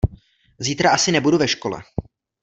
Zítra asi nebudu ve škole.